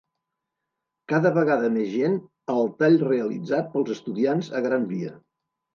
Cada vegada més gent al tall realitzat pels estudiants a Gran Via!